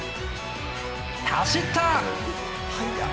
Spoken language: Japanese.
走った！